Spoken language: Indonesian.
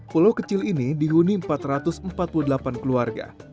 pulau kecil ini dihuni empat ratus empat puluh delapan keluarga